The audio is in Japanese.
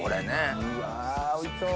うわおいしそう。